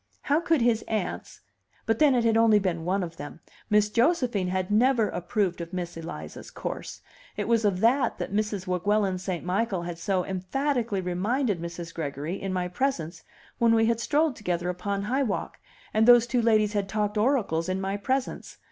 How could his aunts but then it had only been one of them; Miss Josephine had never approved of Miss Eliza's course; it was of that that Mrs. Weguelin St. Michael had so emphatically reminded Mrs. Gregory in my presence when we had strolled together upon High Walk, and those two ladies had talked oracles in my presence.